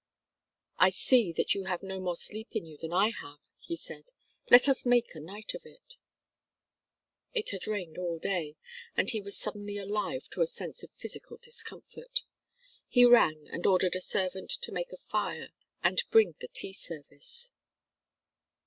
"I see that you have no more sleep in you than I have," he said. "Let us make a night of it." It had rained all day and he was suddenly alive to a sense of physical discomfort. He rang and ordered a servant to make a fire and bring the tea service.